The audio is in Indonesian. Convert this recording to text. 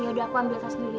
ya udah aku ambil tas dulu ya